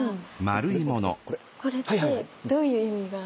これってどういう意味があるんですか？